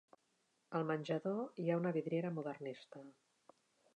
Al menjador hi ha una vidriera modernista.